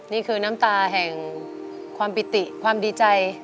นี่คือน้ำตาแห่งความปิติความดีใจ